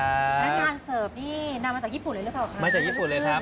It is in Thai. นานเสิร์ฟนี่นำมาจากญี่ปุ่นเลยหรือเปล่าครับ